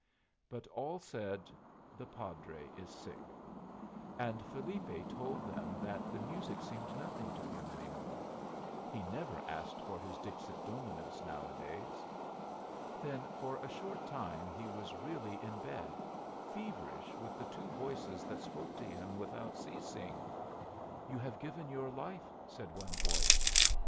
But all said, "The padre is sick." And Felipe told them that the music seemed nothing to him any more; he never asked for his Dixit Dominus nowadays. Then for a short time he was really in bed, feverish with the two voices that spoke to him without ceasing. "You have given your life," said one voice.